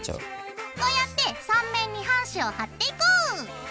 こうやって３面に半紙を貼っていこう！